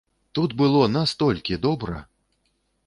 Тут было настолькі добра!